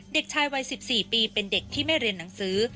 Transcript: เด็กชายวัย๑๔ปีเป็นเด็กที่ไม่เรียนหนังสือ